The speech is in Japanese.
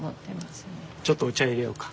ちょっとお茶いれようか。